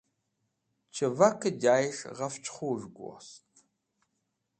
Chivake Jayes̃h Ghafch Khuz̃hg Wost